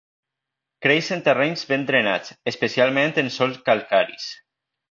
Creix en terrenys ben drenats especialment en sòls calcaris.